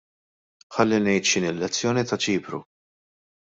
Ħalli ngħid x'inhi l-lezzjoni ta' Ċipru.